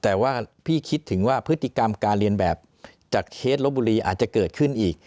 แต่ว่าพี่คิดถึงว่าพฤติกรรมการเรียนแบบจากเคสลบบุรีอาจจะเกิดขึ้นอีก